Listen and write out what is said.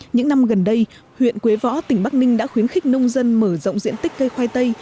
những năm gần đây huyện quế võ tỉnh bắc ninh đã khuyến khích nông dân mở rộng diện tích cây khoai tây